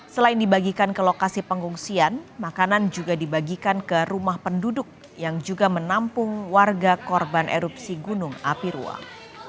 selain dibagikan ke lokasi pengungsian makanan juga dibagikan ke rumah penduduk yang juga menampung warga korban erupsi gunung api ruang